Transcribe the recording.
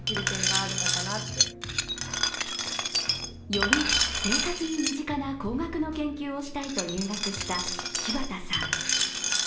より生活に身近な工学の研究をしたいと入学した柴田さん。